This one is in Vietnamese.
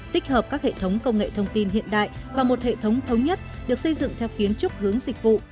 tích hợp các hệ thống công nghệ thông tin hiện đại vào một hệ thống thống nhất được xây dựng theo kiến trúc hướng dịch vụ